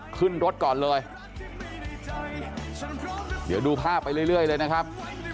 ขึ้นรถก่อนเลยเดี๋ยวดูภาพไปเรื่อยเลยนะครับ